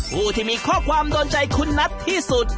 ผู้ที่มีข้อความโดนใจคุณนัทที่สุด